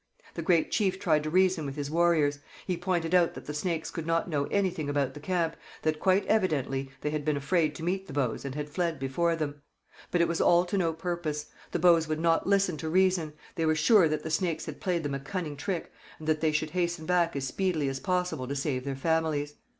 The great chief tried to reason with his warriors; he pointed out that the Snakes could not know anything about the camp, that quite evidently they had been afraid to meet the Bows and had fled before them. But it was all to no purpose. The Bows would not listen to reason; they were sure that the Snakes had played them a cunning trick and that they should hasten back as speedily as possible to save their families.